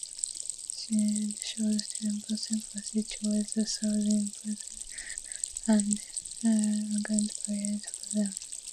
Gertrude showed "tender sympathy towards the souls in purgatory" and urged prayers for them.